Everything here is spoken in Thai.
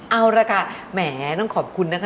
เอาละค่ะแหมต้องขอบคุณนะคะ